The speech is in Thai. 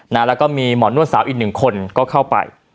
แล้วก็มีหมอนวดสาวอีกหนึ่งคนก็เข้าไป